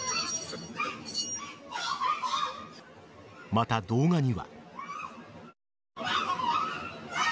また、動画には。